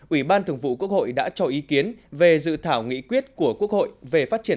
ủy ban thường vụ quốc hội đã cho ý kiến về dự thảo nghị quyết của quốc hội về phát triển